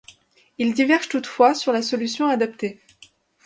Ils divergent toutefois sur la solution à adopter.